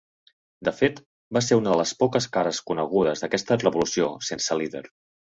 De fet, va ser una de les poques cares conegudes d'aquesta revolució sense líder.